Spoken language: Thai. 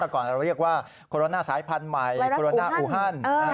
ก่อนเราเรียกว่าโคโรนาสายพันธุ์ใหม่โคโรนาอูฮัน